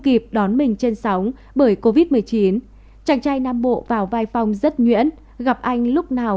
kịp đón mình trên sóng bởi covid một mươi chín chàng trai nam bộ vào vai phong rất nhuyễn gặp anh lúc nào